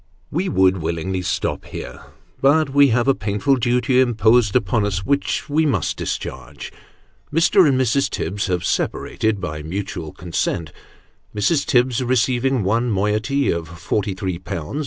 We would willingly stop here, but we have a painful duty imposed upon us, which we must discharge. Mr. and Mi's. Tibbs have separated by mutual consent, Mrp. Tibbs receiving one moiety of 234 Sketches by Bos.